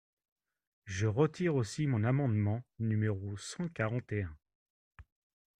Je retire aussi mon amendement numéro cent quarante et un.